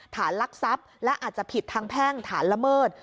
ลักทรัพย์และอาจจะผิดทางแพ่งฐานละเมิด